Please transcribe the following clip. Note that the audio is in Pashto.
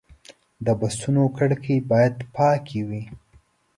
د بسونو کړکۍ باید پاکې وي.